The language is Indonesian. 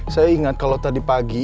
saya ingat kalau tadi pagi